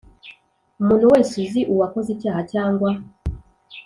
Umuntu wese uzi uwakoze icyaha cyangwa